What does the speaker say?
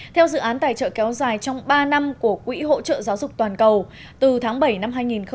theo dự án tài trợ kéo dài trong ba năm của quỹ hỗ trợ giáo dục toàn cầu từ tháng bảy năm hai nghìn một mươi tám